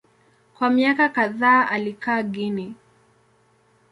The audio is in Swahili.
Kwa miaka kadhaa alikaa Guinea.